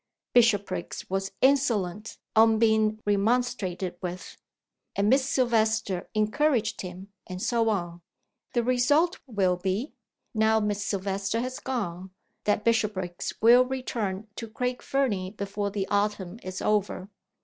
Bishopriggs was insolent on being remonstrated with, and Miss Silvester encouraged him and so on. The result will be now Miss Silvester has gone that Bishopriggs will return to Craig Fernie before the autumn is over.